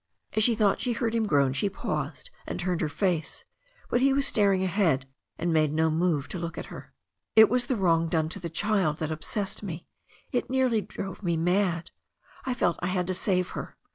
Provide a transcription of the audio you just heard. As she thought she heard him gjoan she paused and turned her face, but he was staring ahead, and made no move to look at her. "It was the wrong done to the child that obsessed me — it nearly drove me mad. I felt I had to save her.